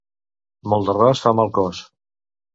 Molt d'arròs fa mal al cos.